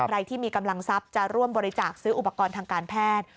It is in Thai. ใครที่มีกำลังทรัพย์จะร่วมบริจาคซื้ออุปกรณ์ทางการแพทย์